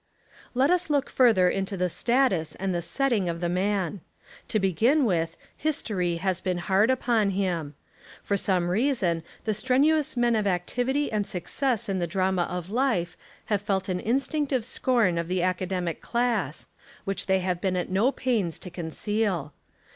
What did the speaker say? Let us look further into the status and the setting of the man. To begin with, history has been hard upon him. For some reason the strenuous men of activity and success in the drama of life have felt an instinctive scorn of the academic class, which they have been at no pains to conceal.